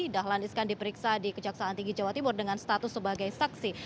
dahlan iskan diperiksa di kejaksaan tinggi jawa timur dengan status sebagai saksi